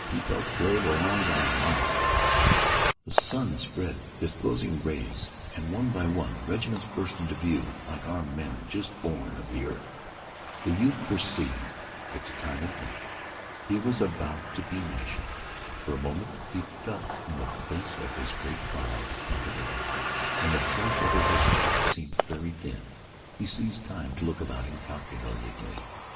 He felt carried along by a mob. The sun spread disclosing rays, and, one by one, regiments burst into view like armed men just born of the earth. The youth perceived that the time had come. He was about to be measured. For a moment he felt in the face of his great trial like a babe, and the flesh over his heart seemed very thin. He seized time to look about him calculatingly.